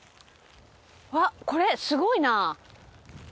わっこれすごいな。